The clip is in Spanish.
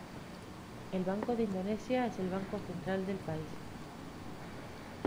El Banco de Indonesia es el banco central del país.